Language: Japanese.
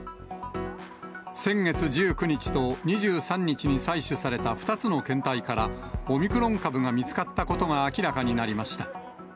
先月１９日と２３日に採取された２つの検体から、オミクロン株が見つかったことが明らかになりました。